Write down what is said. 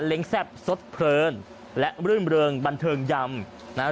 แซ่บสดเพลินและรื่นเริงบันเทิงยำนะฮะ